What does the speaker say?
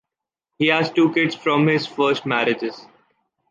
He has two kids from his first marriages.